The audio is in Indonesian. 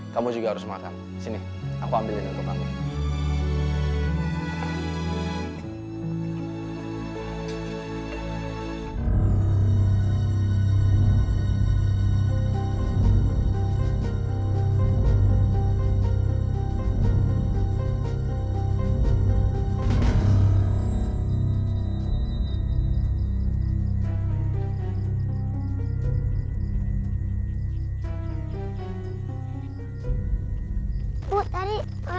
sampai jumpa di video selanjutnya